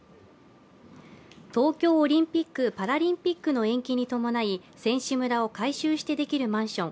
東京オリンピック・パラリンピックの延期に伴い選手村を改修して出来るマンション